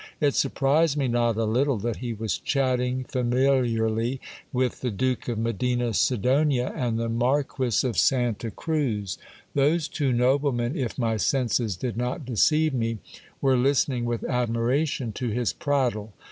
It surprised 1 me not a little that he was chatting familiarly with the Duke of Medina Sidonia and the Marquis of Santa Cruz. Those two noblemen, if my senses did not deceive me, were listening with admiration to his prattle.